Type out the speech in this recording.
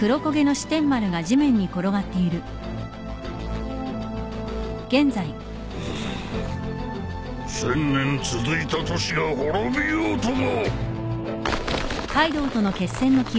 １，０００年続いた都市が滅びようとも。